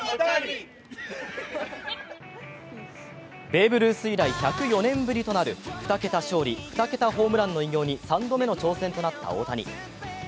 ベーブ・ルース以来１０４年ぶりとなる２桁勝利・２桁ホームランの偉業に３度目の挑戦となった大谷。